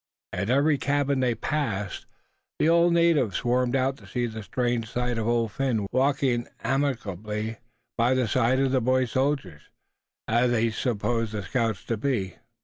At every cabin they passed, the natives swarmed out to see the strange sight of Old Phin walking amiably by the side of the boy soldiers, as they supposed the scouts to be.